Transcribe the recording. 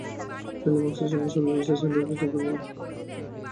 চাইলে মাংসের সঙ্গে সবজি মিশিয়েও স্যান্ডউইচ, পেটিস তৈরি করে নিতে পারেন।